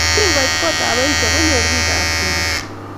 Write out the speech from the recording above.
Kingoit kotab Aisha konyor bikap kwekeny